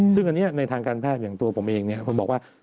ซึ่งอันนี้ในทางการแพทย์อย่างตัวผมเองผมบอกว่า